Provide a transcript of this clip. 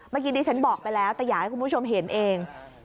เมื่อกี้ดิฉันบอกไปแล้วแต่อยากให้คุณผู้ชมเห็นเอง